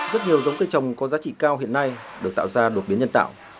rất nhiều giống cây trồng có giá trị cao hiện nay được tạo ra đột biến nhân tạo